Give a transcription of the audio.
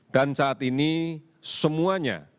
dan saat ini semuanya